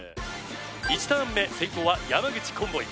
１ターン目先攻は山口コンボイ